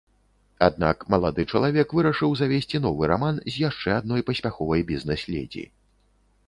Аднак малады чалавек вырашыў завесці новы раман з яшчэ адной паспяховай бізнэс-ледзі.